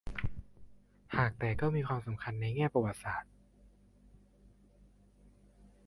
หากแต่ก็มีความสำคัญในแง่ประวัติศาสตร์